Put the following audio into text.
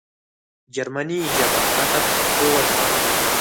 جرمنۍ ژبه راته په پښتو وژباړه